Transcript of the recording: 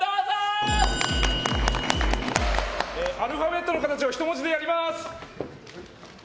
アルファベットの形を人文字でやります。